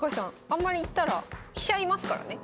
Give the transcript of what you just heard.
あんまり行ったら飛車居ますからね。